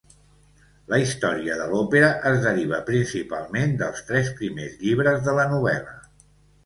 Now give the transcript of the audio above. La història de l'òpera es deriva principalment dels tres primers llibres de la novel·la.